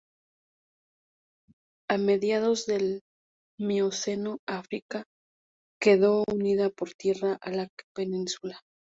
A mediados del Mioceno África quedó unida por tierra a la península.